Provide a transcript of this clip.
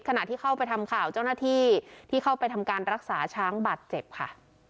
ขณะที่เข้าไปทำข่าวเจ้าหน้าที่ที่เข้าไปทำการรักษาช้างบาดเจ็บค่ะ